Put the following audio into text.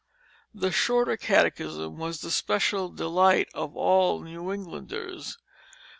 The Shorter Catechism was the special delight of all New Englanders.